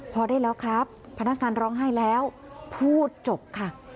พอได้แล้วครับพนักงานร้องไห้แล้วพูดจบค่ะ